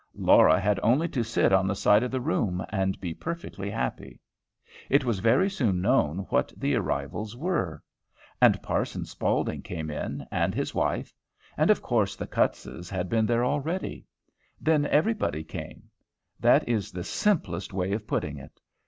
Laura had only to sit on the side of the room and be perfectly happy. It was very soon known what the arrivals were. And Parson Spaulding came in, and his wife. Of course the Cuttses had been there already. Then everybody came. That is the simplest way of putting it.